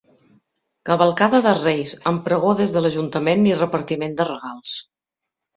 Cavalcada de Reis amb pregó des de l'Ajuntament i repartiment de regals.